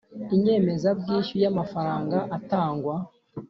inyemezabwishyu ya mafranga atangwa